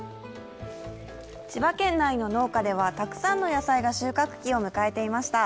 千葉県内の農家ではたくさんの野菜が収穫期を迎えていました。